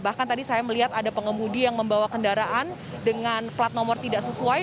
bahkan tadi saya melihat ada pengemudi yang membawa kendaraan dengan plat nomor tidak sesuai